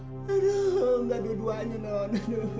aduh gak dua duanya non